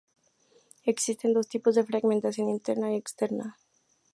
Existen dos tipos de fragmentación: interna y externa.